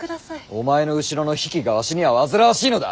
お前の後ろの比企がわしには煩わしいのだ。